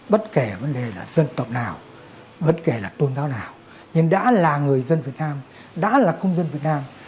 bất kể vấn đề là dân tộc nào bất kể là tôn giáo nào nhưng đã là người dân việt nam đã là công dân việt nam